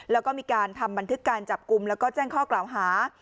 แล้วก็มีการทำบันทึกการจับกลุ่มแล้วก็แจ้งข้อกล่าวหา